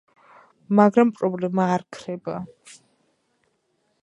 მაგრამ პრობლემა არ ქრება.